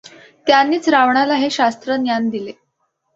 त्यानीच रावणाला हे शास्त्र ज्ञान दिले.